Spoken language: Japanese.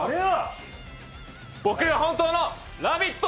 僕が本当の「ラヴィット！」